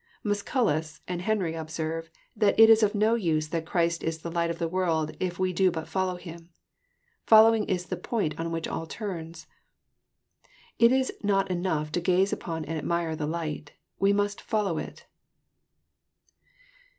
Musculus and Henry observe, that it is of no use that Christ is the light of the world If we do but follow Him. " Following " is the point on which all turns. It Is not enough to gaze upon and admire the light. We must '< follow " it.